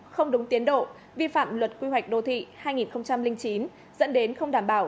không đúng tiến độ vi phạm luật quy hoạch đô thị hai nghìn chín dẫn đến không đảm bảo